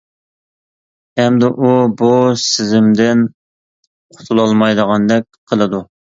ئەمدى ئۇ بۇ سېزىمدىن قۇتۇلالمايدىغاندەك قىلىدۇ.